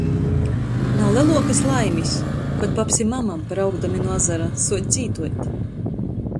Nav leluokys laimis, kod paps i mama, braukdami nu azara, suoc dzīduot.